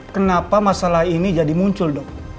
kenapa masalah ini jadi muncul dok